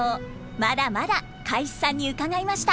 まだまだかい枝さんに伺いました。